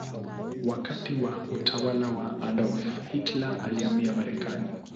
Wakati wa utawala wa Adolf Hitler alihamia Marekani.